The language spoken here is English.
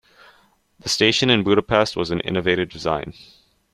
The station in Budapest was an innovative design.